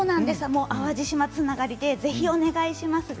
淡路島つながりでぜひお願いしますって